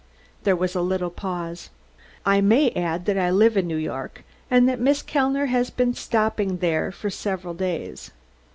There was a little pause. "I may add that I live in New York, and that Miss Kellner has been stopping there for several days.